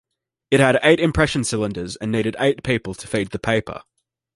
It had eight impression cylinders and needed eight people to feed the paper.